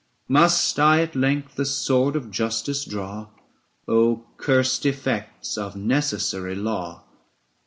Must I at length the sword of justice draw ? Oh curst effects of necessary law